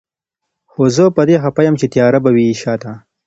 خو زه په دې خفه يم چي تياره به يې وي شاته